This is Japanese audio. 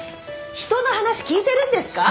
人の話聞いてるんですか！？